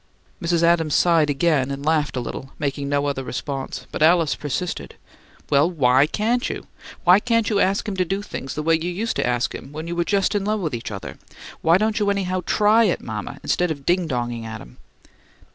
Mrs. Adams sighed again, and laughed a little, making no other response; but Alice persisted. "Well, WHY can't you? Why can't you ask him to do things the way you used to ask him when you were just in love with each other? Why don't you anyhow try it, mama, instead of ding donging at him?"